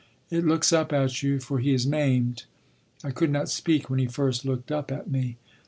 It looks up at you, for he is maimed. I could not speak when he first looked up at me.